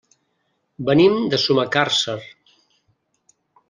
Venim de Sumacàrcer.